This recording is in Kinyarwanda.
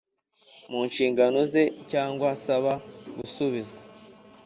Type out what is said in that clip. Mu nshingano ze cyangwa asaba gusubizwa